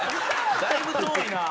だいぶ遠いなあ。